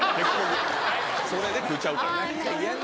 それで食うちゃうから。